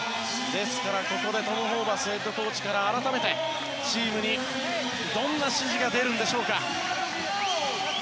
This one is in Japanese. ですから、ここでトム・ホーバスヘッドコーチからチームにどんな指示が出るんでしょうか。